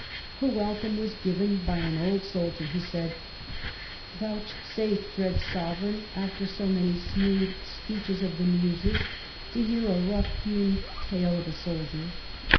Her welcome was given by an old soldier, who said: Vouchsafe, dread Sovereign, after so many smooth speeches of the Muses, to hear a rough hewn tale of a soldier.